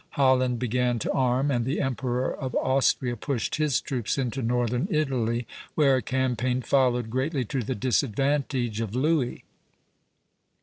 Holland began to arm, and the Emperor of Austria pushed his troops into northern Italy, where a campaign followed, greatly to the disadvantage of Louis.